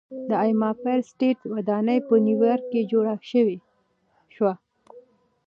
د ایمپایر سټیټ ودانۍ په نیویارک کې جوړه شوه.